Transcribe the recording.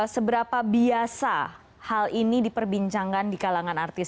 seberapa biasa hal ini diperbincangkan di kalangan artis